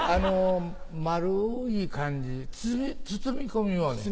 丸い感じ包み込むように。